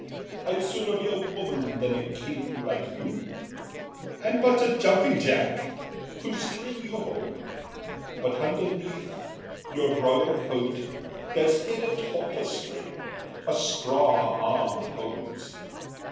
I'd sooner be a woman than a king Like you. I'm but a jumping jack whose string You hold; but underneath your royal coat There's hid a tauter string, a strong arm holds.